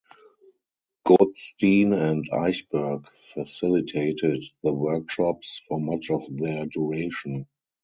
Goodstein and Eichberg facilitated the workshops for much of their duration.